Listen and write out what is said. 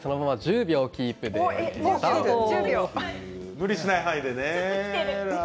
無理しない範囲でね。